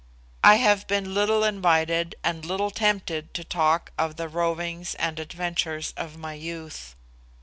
I have been little invited and little tempted to talk of the rovings and adventures of my youth.